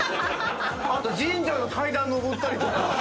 あと神社の階段上ったりとか。